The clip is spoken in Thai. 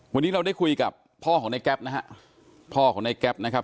วันนี้เราได้คุยกับพ่อของในแก๊ปนะฮะพ่อของในแก๊ปนะครับ